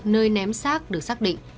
nơi ném xác được xác định